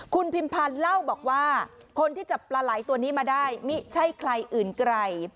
คุณพิมพันธ์เล่าบอกว่าคนที่จับปลาไหลตัวนี้มาได้ไม่ใช่ใครอื่นไกล